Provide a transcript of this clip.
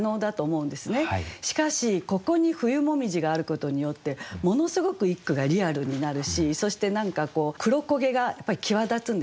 しかしここに「冬紅葉」があることによってものすごく一句がリアルになるしそして何かこう黒焦げがやっぱり際立つんですね。